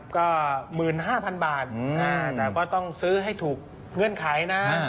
ก็๑๕๐๐๐บาทแต่ก็ต้องซื้อให้ถูกเงื่อนไขนะ